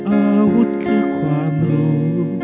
อาวุธคือความรู้